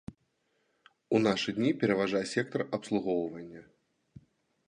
У нашы дні пераважае сектар абслугоўвання.